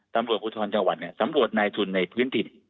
สำรวจอุทธรรมชาวหวัดสำรวจนายทุนในพื้นถิ่น